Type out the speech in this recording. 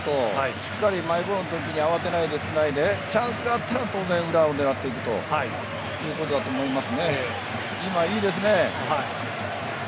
しっかりマイボールのときに慌てないでつないでチャンスがあったら裏を狙っていくということだと思います。